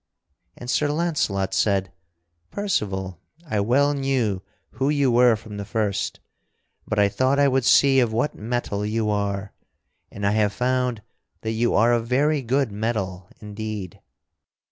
And Sir Launcelot said: "Percival, I well knew who you were from the first, but I thought I would see of what mettle you are, and I have found that you are of very good mettle indeed.